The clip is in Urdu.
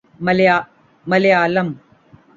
ملیالم